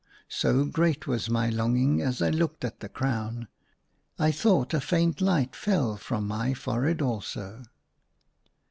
So great was my longing as I looked at the crown, I thought a faint light fell from my forehead also.